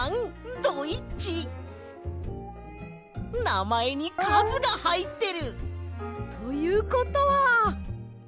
なまえにかずがはいってる！ということは。